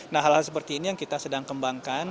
nah hal hal seperti ini yang kita sedang kembangkan